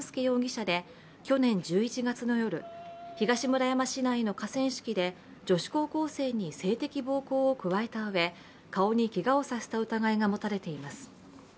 容疑者で去年１１月の夜、東村山市内の河川敷で女子高校生に性的暴行を加えたうえ顔にけがをさせた疑いが持たれています。